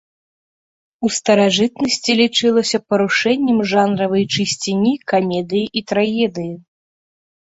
У старажытнасці лічылася парушэннем жанравай чысціні камедыі і трагедыі.